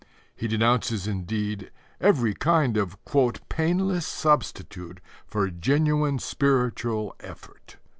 He denounces, indeed, every kind of "painless substitute for genuine spiritual effort."